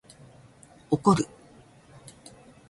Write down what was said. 怒る